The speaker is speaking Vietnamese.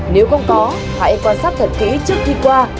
nếu không có hãy quan sát thật kỹ trước khi qua